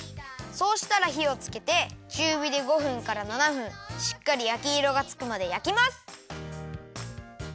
そうしたらひをつけてちゅうびで５分から７分しっかりやきいろがつくまでやきます。